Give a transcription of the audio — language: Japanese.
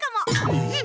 えっ？